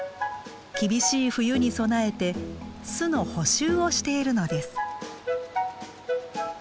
厳しい冬に備えて巣の補修をしているのです。